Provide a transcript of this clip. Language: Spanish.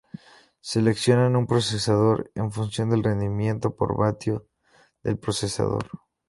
Seleccionan un procesador en función del rendimiento por vatio del procesador.